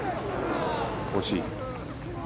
惜しい。